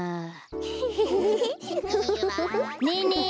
ねえねえ